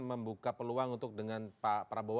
membuka peluang untuk dengan pak prabowo